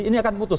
ini akan putus